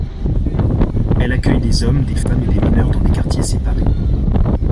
Elle accueille des hommes, des femmes et des mineurs dans des quartiers séparés.